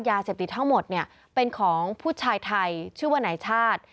ยาเสพติดทั้งหมดเนี่ยเป็นของผู้ชายไทยชื่อว่านายชาติ